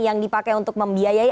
yang dipakai untuk membiayai